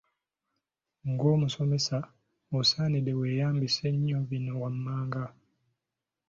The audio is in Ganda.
Ng’omusomesa, osaanidde weeyambise nnyo bino wammanga